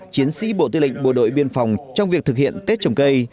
chiến sĩ bộ tư lệnh bộ đội biên phòng trong việc thực hiện tết trồng cây